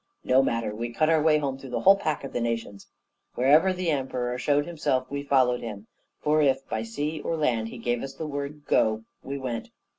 No matter, we cut our way home through the whole pack of the nations. Wherever the Emperor showed himself we followed him; for if, by sea or land, he gave us the word 'Go!' we went.